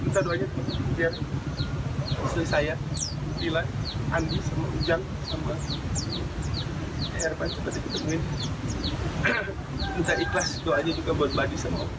สวัสดีคุณผู้ชาย